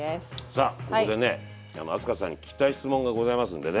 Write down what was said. さあここでね明日香さんに聞きたい質問がございますんでね。